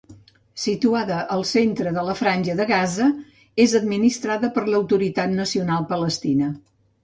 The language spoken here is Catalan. Situada al centre de la Franja de Gaza, és administrada per l'Autoritat Nacional Palestina.